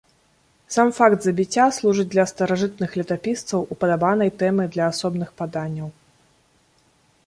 Сам факт забіцця служыць для старажытных летапісцаў упадабанай тэмай для асобных паданняў.